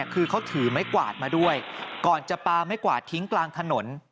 คือเขาถือไม้กวาดมาด้วยก่อนจะปลาไม้กวาดทิ้งกลางถนน